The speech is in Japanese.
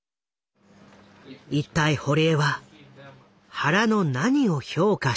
一体堀江は原の何を評価したのか？